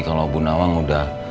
kalau bu nawang udah